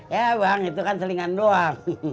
ya bang itu kan selingan doang